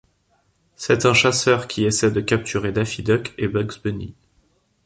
C'est un chasseur qui essaie de capturer Daffy Duck et Bugs Bunny.